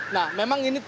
nah memang ini tinggi